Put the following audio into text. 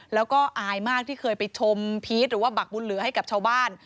และก็อายมากที่ไปชมพีชหรือบักบุญเหลือให้เฉาบ้าน